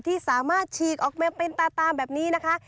ที่สามารถฉีกออกแบบเป็นตาตามแบบนี้นะคะ